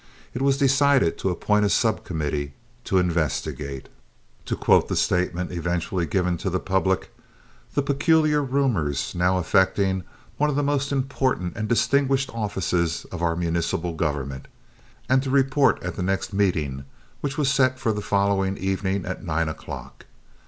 It was decided to appoint a subcommittee "to investigate" (to quote the statement eventually given to the public) "the peculiar rumors now affecting one of the most important and distinguished offices of our municipal government," and to report at the next meeting, which was set for the following evening at nine o'clock.